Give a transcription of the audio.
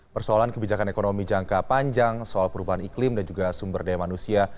persoalan kebijakan ekonomi jangka panjang soal perubahan iklim dan juga sumber daya manusia